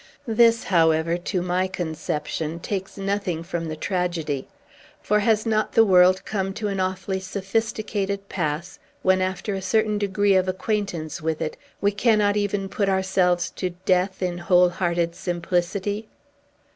This, however, to my conception, takes nothing from the tragedy. For, has not the world come to an awfully sophisticated pass, when, after a certain degree of acquaintance with it, we cannot even put ourselves to death in whole hearted simplicity?